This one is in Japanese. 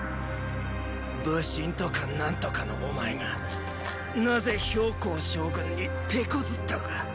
武神とか何とかのお前がなぜ公将軍に手こずったのか。